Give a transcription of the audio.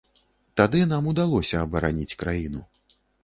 Тады нам удалося абараніць краіну.